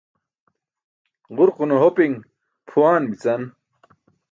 Ġurqune hopiṅ pʰuwaan bi̇can.